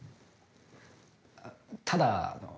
ただあの